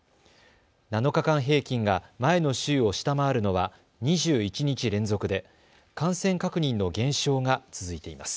７日間平均が前の週を下回るのは２１日連続で感染確認の減少が続いています。